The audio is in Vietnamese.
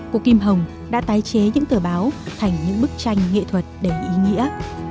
cô kim hồng đã tái chế những tờ báo thành những bức tranh nghệ thuật đầy ý nghĩa